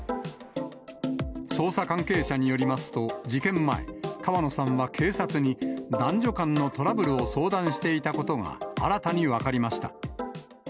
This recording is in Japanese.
捜査関係者によりますと、事件前、川野さんは警察に男女間のトラブルを相談していたことが、新たに分かりました。